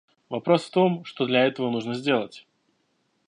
Вопрос в том, что для этого нужно сделать.